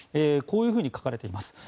こういうふうに書かれています。